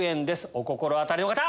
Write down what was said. お心当たりの方！